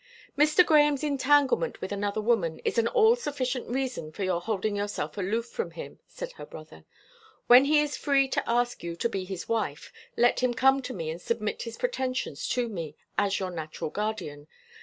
"Mr. Grahame's entanglement with another woman is an all sufficient reason for your holding yourself aloof from him," said her brother. "When he is free to ask you to be his wife, let him come to me and submit his pretensions to me, as your natural guardian.